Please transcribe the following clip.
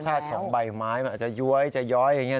ธรรมชาติของใบไม้มันอาจจะย้วยจะย้อยอย่างนี้เนอะ